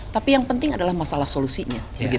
tapi yang penting adalah masalah solusinya